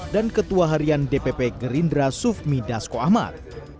dan ketua harian dpp gerindra sufmi dasko ahmad